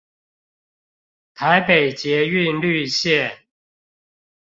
台北捷運綠線